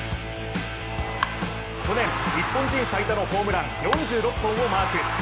去年、日本人最多のホームラン４６本をマーク。